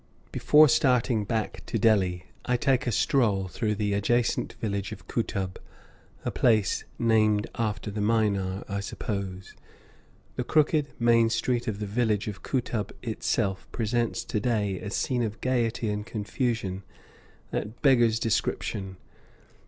Before starting back to Delhi, I take a stroll through the adjacent village of Kootub, a place named after the minar, I suppose. The crooked main street of the village of Kootub itself presents to day a scene of gayety and confusion that beggars description.